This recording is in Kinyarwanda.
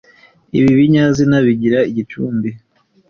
ibi binyazina bigira igicumbi